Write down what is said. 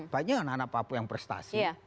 banyak anak anak papua yang prestasi